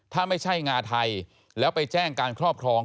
ถ้าไม่ใช่งาไทยแล้วไปแจ้งการครอบครอง